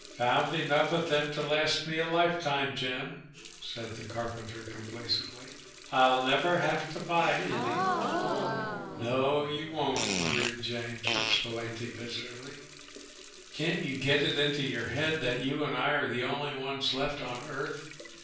"Found enough of them to last me a lifetime, Jim," said the carpenter complacently. "I'll never have to buy any." "No, you won't," agreed James Ypsilanti bitterly. "Can't you get it into your head that you and I are the only ones left on Earth?